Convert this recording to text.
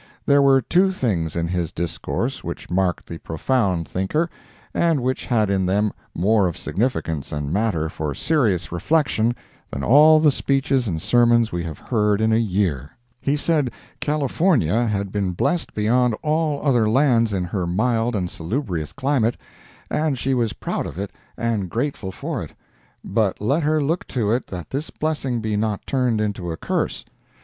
There were two things in his discourse which marked the profound thinker, and which had in them more of significance and matter for serious reflection than all the speeches and sermons we have heard in a year. He said California had been blessed beyond all other lands in her mild and salubrious climate, and she was proud of it and grateful for it—but let her look to it that this blessing be not turned into a curse.